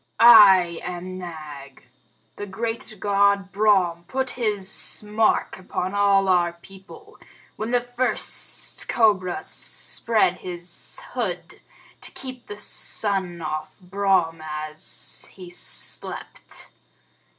"I am Nag. The great God Brahm put his mark upon all our people, when the first cobra spread his hood to keep the sun off Brahm as he slept.